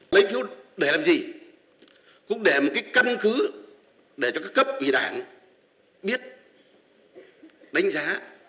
lấy phiếu để làm gì cũng để một cái căn cứ để cho các cấp ủy đảng biết đánh giá